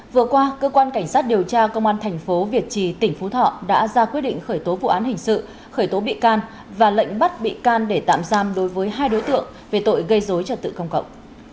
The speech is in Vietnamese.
vừa qua cơ quan cảnh sát điều tra công an thành phố việt trì tỉnh phú thọ đã ra quyết định khởi tố vụ án hình sự khởi tố bị can và lệnh bắt bị can để tạm giam đối với hai đối tượng về tội gây dối trật tự công cộng